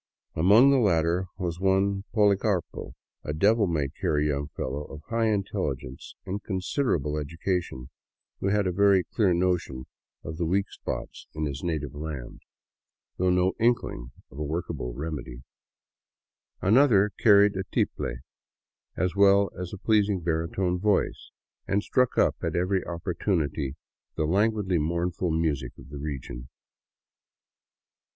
Among the latter was one Policarpo, a devil may care young fellow of high intelligence and considerable education, who had a very clear notion of the weak spots in his native land, 69 VAGABONDING DOWN THE ANDES though no inkling of a workable remedy. Another carried a tiple, as well as a pleasing baritone voice, and struck up at every oppor tunity the languidly mournful music of the region.